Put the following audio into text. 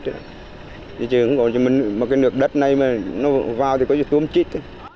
thế chứ không còn cho mình một cái nước đất này mà nó vào thì có gì tuôn chết